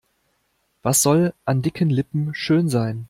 Was soll an dicken Lippen schön sein?